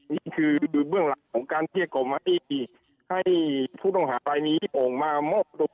นี่คือเบื้องหลังของการเทียดก่อไหมให้ผู้ต้องหารายมีออกมามอบตัว